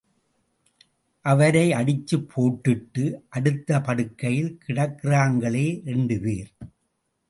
அவரை அடிச்சு போட்டுட்டு அடுத்த படுக்கையில் கிடக்கிறாங்களே ரெண்டு பேர்.